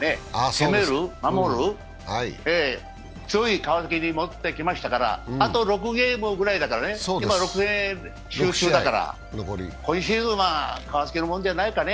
攻める、守る、強い川崎に戻ってきましたからあと６ゲームぐらいだからね、今シーズンは川崎のものじゃないかね。